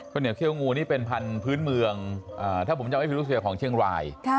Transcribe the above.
เหนียวเขี้ยวงูนี่เป็นพันธุ์พื้นเมืองถ้าผมจำไอพิรุเซียของเชียงราย